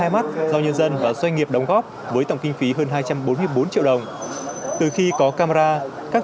hai mắt do nhân dân và doanh nghiệp đóng góp với tổng kinh phí hơn hai trăm bốn mươi bốn triệu đồng từ khi có camera các